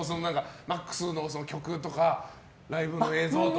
ＭＡＸの曲とかライブの映像とか。